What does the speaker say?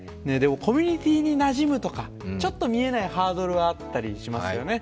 コミュニティーになじむとかちょっと見えないハードルがあったりしますよね。